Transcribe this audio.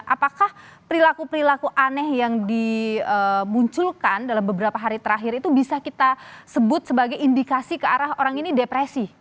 apakah perilaku perilaku aneh yang dimunculkan dalam beberapa hari terakhir itu bisa kita sebut sebagai indikasi ke arah orang ini depresi